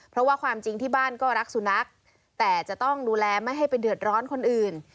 เพราะว่าความจริงที่บ้านก็รักสุนัขแต่จะต้องดูแลไม่ให้ไปเดือดร้อนคนอื่น